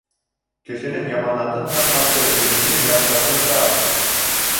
Кешенең яманатын һатҡансы, үҙеңдең яҡшатың тап.